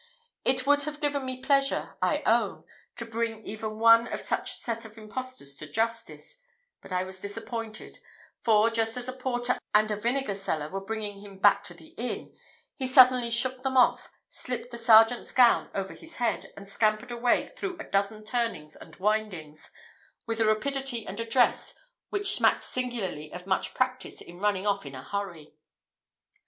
It would have given me pleasure, I own, to bring even one of such a set of impostors to justice, but I was disappointed; for, just as a porter and a vinegar seller were bringing him back to the inn, he suddenly shook them off, slipped the sergeant's gown over his head, and scampered away through a dozen turnings and windings, with a rapidity and address which smacked singularly of much practice in running off in a hurry.